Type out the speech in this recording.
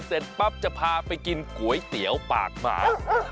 เสร็จปั๊บจะพาไปกินก๋วยเตี๋ยวปากหมา